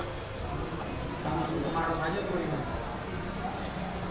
kalau musim kemaru saja tuh